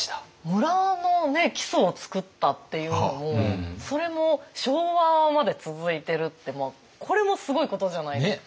村の基礎を作ったっていうのもそれも昭和まで続いてるってこれもすごいことじゃないですか。